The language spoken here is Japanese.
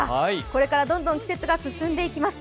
これからどんどん季節が進んでいきます。